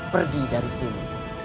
pergi dari sini